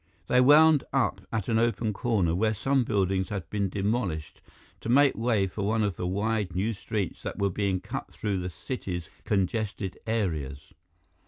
They wound up at an open corner where some buildings had been demolished to make way for one of the wide new streets that were being cut through the city's congested areas.